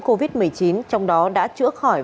covid một mươi chín trong đó đã chữa khỏi